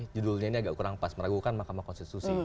judulnya ini agak kurang pas meragukan mahkamah konstitusi